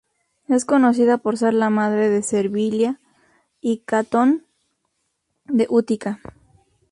Es conocida por ser la madre de Servilia y Catón de Útica.